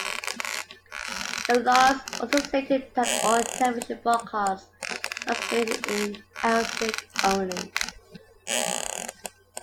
The laws also stated that all television broadcasts must be in Arabic only.